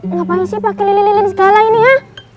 ngapain sih pakai lilin lilin segala ini ya